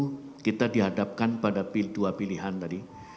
tentu kita dihadapkan pada dua pilihan tadi